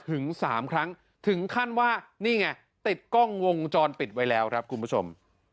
ถึง๓ครั้งถึงขั้นว่านี่ไงติดกล้องวงจรปิดไว้แล้วครับคุณผู้ชม